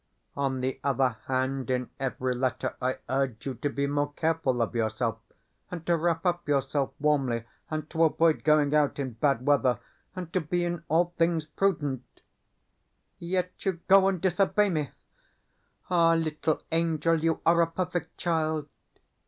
On the other hand, in every letter I urge you to be more careful of yourself, and to wrap up yourself warmly, and to avoid going out in bad weather, and to be in all things prudent. Yet you go and disobey me! Ah, little angel, you are a perfect child!